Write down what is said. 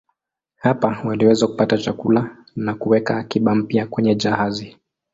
Hapa waliweza kupata chakula na kuweka akiba mpya kwenye jahazi.